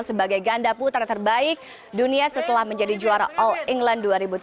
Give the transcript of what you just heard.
sebagai ganda putra terbaik dunia setelah menjadi juara all england dua ribu tujuh belas